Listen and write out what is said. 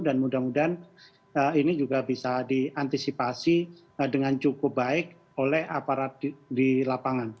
dan mudah mudahan ini juga bisa diantisipasi dengan cukup baik oleh aparat di lapangan